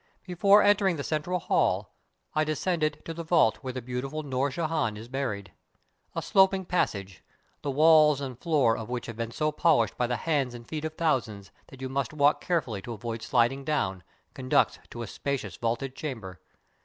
Before entering the central hall, I descended to the vault where the beautiful Noor Jehan is buried. A sloping passage, the walls and floor of which have been so polished by the hands and feet of thousands, that you must walk carefully to avoid sliding down, conducts to a spacious vaulted chamber.